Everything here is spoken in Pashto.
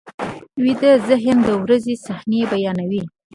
ویده ذهن د ورځې صحنې بیا ویني